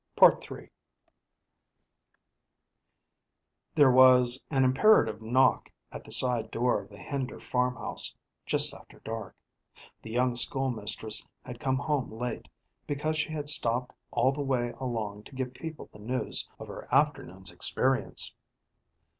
III. There was an imperative knock at the side door of the Hender farmhouse, just after dark. The young school mistress had come home late, because she had stopped all the way along to give people the news of her afternoon's experience.